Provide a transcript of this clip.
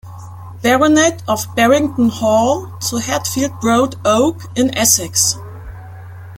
Baronet of Barrington Hall zu Hatfield Broad Oak in Essex.